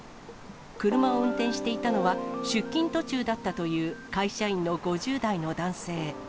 車を運転していたのは、出勤途中だったという会社員の５０代の男性。